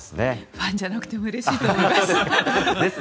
ファンじゃなくてもうれしいと思います。